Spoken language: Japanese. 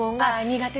苦手。